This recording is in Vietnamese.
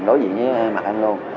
đối diện với mặt em luôn